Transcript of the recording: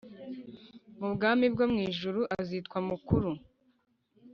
mu bwami bwo mu ijuru azitwa mukuru.